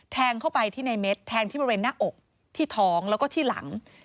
แทงเข้าไปที่ในเม็ดแทงที่บริเวณหน้าอกที่ท้องแล้วก็ที่หลัง